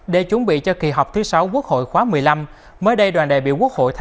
để chuẩn bị cho kỳ họp thứ sáu quốc hội khóa một mươi năm mới đây đoàn đại biểu quốc hội tp hcm